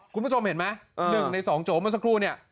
คุณผู้ชมเห็นไหม๑ใน๒โจ๊เมื่อสักครู่เนี่ย